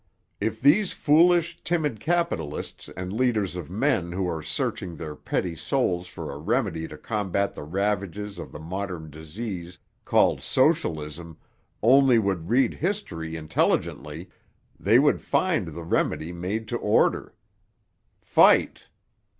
If these foolish, timid capitalists and leaders of men who are searching their petty souls for a remedy to combat the ravages of the modern disease called Socialism only would read history intelligently, they would find the remedy made to order. Fight!